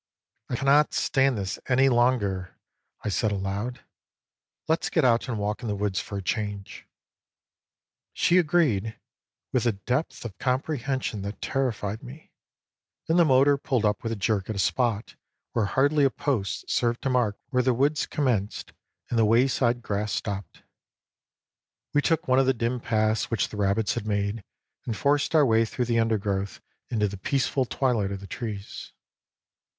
"I cannot stand this any longer," I said aloud. " Let's get out and walk in the woods for a change." She agreed, with a depth of comprehension that terrified me ; and the motor pulled up with a jerk at a spot where hardly a post served to mark where the woods commenced THE PASSING OF EDWARD 113 and the wayside grass stopped. We took one of the dim paths which the rabbits had made and forced our way through the undergrowth into the peaceful twilight of the trees.